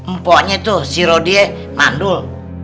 mpoknya tuh si rode mandul